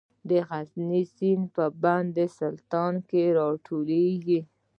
د غزني سیند په بند سلطان کې راټولیږي